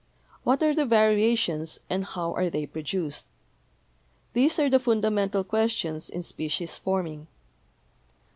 What are the variations and how are they produced? These are the fundamental questions in species forming.